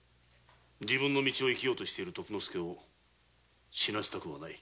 自分の道を生きようとしている徳之助を死なせたくない。